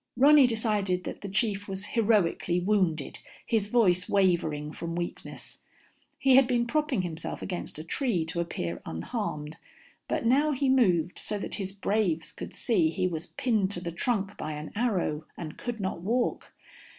Ronny decided that the chief was heroically wounded, his voice wavering from weakness. He had been propping himself against a tree to appear unharmed, but now he moved so that his braves could see he was pinned to the trunk by an arrow and could not walk.